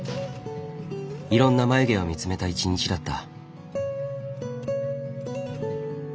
いろんな眉毛を見つめた一日だった。